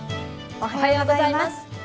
おはようございます。